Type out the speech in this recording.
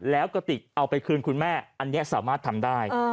แล้วกระติกเอาไปคืนคุณแม่อันนี้สามารถทำได้